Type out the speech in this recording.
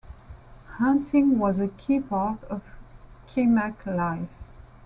Hunting was a key part of Kimak life.